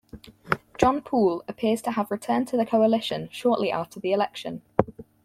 John Poole appears to have returned to the coalition shortly after the election.